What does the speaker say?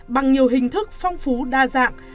bằng nhiều hình thức phong phú đa dạng